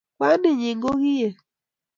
Kwaninyi kokiek